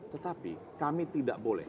tetapi kami tidak boleh